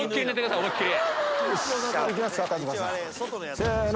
せの！